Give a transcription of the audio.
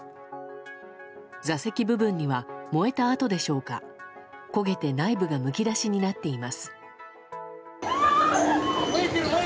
座席部分には燃えた跡でしょうか焦げて内部がむき出しになっています。